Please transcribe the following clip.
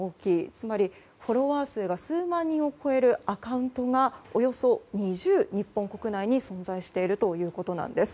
つまり、フォロワー数が数万人を超えるアカウントがおよそ２０、日本国内に存在しているということなんです。